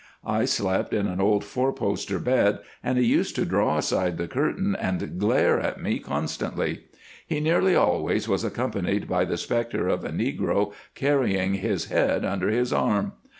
I slept in an old four poster bed, and he used to draw aside the curtain and glare at me constantly. He nearly always was accompanied by the spectre of a negro carrying his head under his arm.